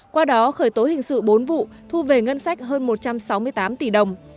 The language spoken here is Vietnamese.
qua đó khởi tố hình sự bốn vụ thu về ngân sách hơn một trăm sáu mươi tám tỷ đồng